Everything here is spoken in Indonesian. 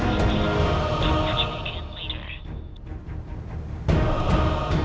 jangan sampai riki yang kabur